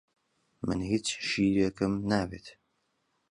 من هیچ شیرێکم ناوێت.